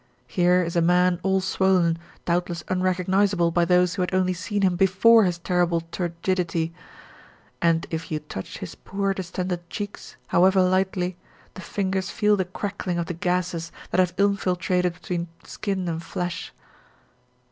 Here is a man all swollen, doubtless unrecognisable by those who had only seen him before this terrible turgidity, and if you touch his poor, distended cheeks however lightly, the fingers feel the crackling of the gases that have infiltrated between skin and flesh.